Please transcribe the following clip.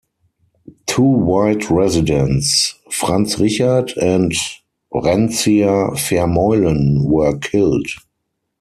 Two white residents, Frans Richard and Rencia Vermeulen were killed.